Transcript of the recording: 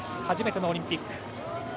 初めてのオリンピック。